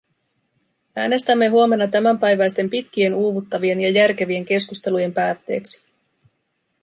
Äänestämme huomenna tämänpäiväisten pitkien, uuvuttavien ja järkevien keskustelujen päätteeksi.